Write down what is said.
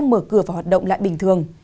mở cửa và hoạt động lại bình thường